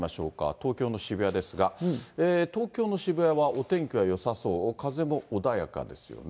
東京の渋谷ですが、東京の渋谷はお天気はよさそう、風も穏やかですよね。